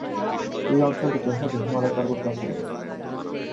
এই অঞ্চলটি প্রধানত হিমালয় পার্বত্য অঞ্চলে অবস্থিত।